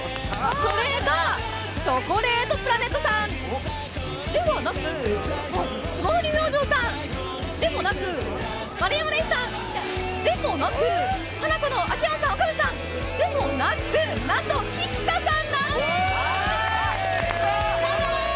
それがチョコレートプラネットさんではなく霜降り明星さんでもなく丸山礼さんでもなくハナコの秋山さん岡部さんでもなくなんと菊田さんなんです。